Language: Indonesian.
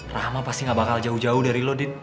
rahma pasti gak bakal jauh jauh dari lo din